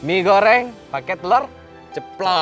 mie goreng pake telur ceplok